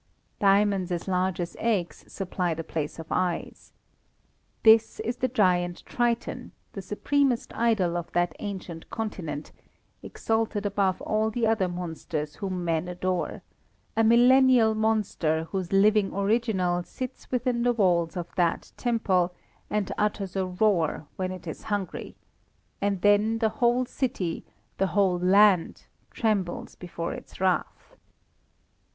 Diamonds as large as eggs supply the place of eyes. This is the giant Triton, the supremest idol of that ancient continent, exalted above all the other monsters whom men adore a millennial monster whose living original sits within the walls of that temple, and utters a roar when it is hungry, and then the whole city the whole land trembles before its wrath.